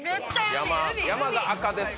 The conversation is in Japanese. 山が赤です